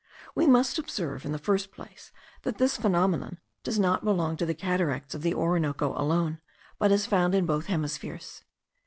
We must observe, in the first place, that this phenomenon does not belong to the cataracts of the Orinoco alone, but is found in both hemispheres.